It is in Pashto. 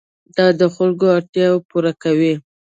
دا د خلکو اړتیاوې پوره کوي.